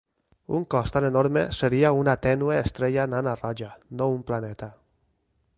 Un cos tan enorme seria una tènue estrella nana roja, no un planeta.